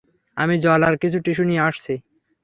আমি জল আর কিছু টিস্যু নিয়ে আসছি।